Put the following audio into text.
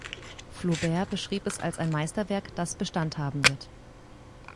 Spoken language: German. Flaubert beschrieb es als ein Meisterwerk, das Bestand haben wird.